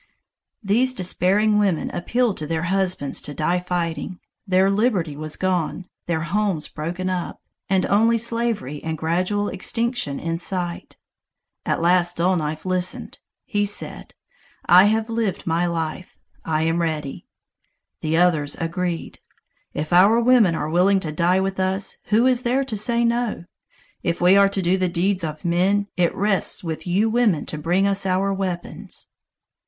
These despairing women appealed to their husbands to die fighting: their liberty was gone, their homes broken up, and only slavery and gradual extinction in sight. At last Dull Knife listened. He said: "I have lived my life. I am ready." The others agreed. "If our women are willing to die with us, who is there to say no? If we are to do the deeds of men, it rests with you women to bring us our weapons."